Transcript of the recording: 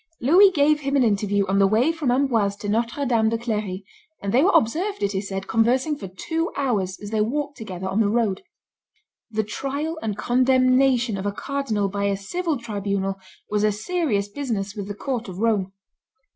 Louis gave him an interview on the way from Amboise to Notre Dame de Clery; and they were observed, it is said, conversing for two hours, as they walked together on the road. The trial and condemnation of a cardinal by a civil tribunal was a serious business with the court of Rome.